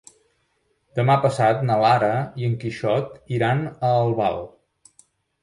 Demà passat na Lara i en Quixot iran a Albal.